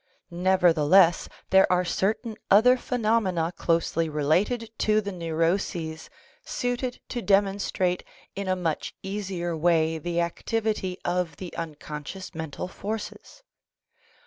Nevertheless, there are certain other phenomena closely related to the neuroses suited to demonstrate in a much easier way the activity of the unconscious mental forces.